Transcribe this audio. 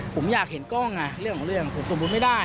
ผมอยากเห็นกล้องเรื่องของเรื่องผมสมมุติไม่ได้